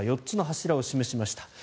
４つの柱を示しました。